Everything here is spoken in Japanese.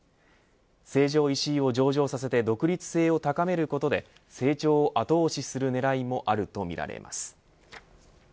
成城石井を上場させて独立性を高めることで成長を後押しする狙いもあるとみられます。